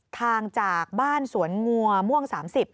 ทางจากบ้านสวนงัวม่วง๓๐